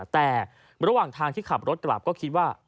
แต่ระหว่างทางที่ขับรถกลับก็คิดว่า